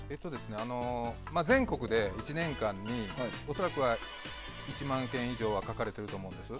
全国で１年間に恐らくは１万件以上は描かれていると思うんです。